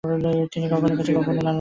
তিনি গগনের কাছে গগন ও লালনের গান শুনতেন।